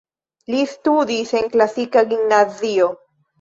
Li studis en klasika gimnazio.